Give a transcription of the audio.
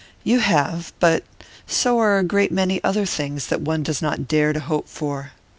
'You have; but so are a great many other things that one does not dare to hope for.